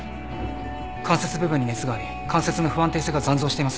関節部分に熱があり関節の不安定さが残存してます。